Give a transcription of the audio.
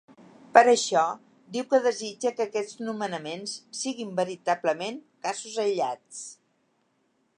Per això, diu que desitja que aquests nomenaments ‘siguin veritablement casos aïllats’.